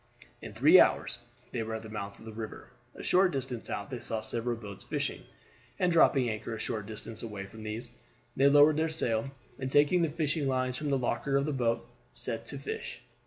In three hours they were at the mouth of the river. A short distance out they saw several boats fishing, and dropping anchor a short distance away from these, they lowered their sail, and taking the fishing lines from the locker of the boat, set to to fish.